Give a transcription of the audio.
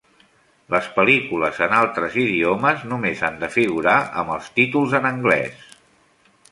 Les pel·lícules en altres idiomes només han de figurar amb els títols en anglès.